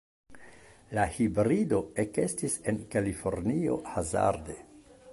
La hibrido ekestis en Kalifornio hazarde.